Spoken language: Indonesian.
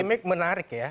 gimik menarik ya